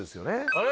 あれ？